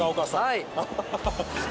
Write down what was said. はい。